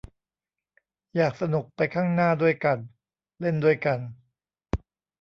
อยากสนุกไปข้างหน้าด้วยกัน เล่นด้วยกัน